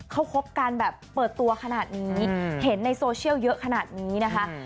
เขาคบกันแบบเปิดตัวขนาดนี้เห็นในโซเชียลเยอะขนาดนี้นะคะ